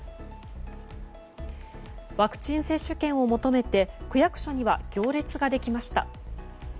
ワクチン接種券を求めて区役所には行列ができました。